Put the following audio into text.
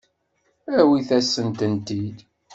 Awit-asent-tent-id.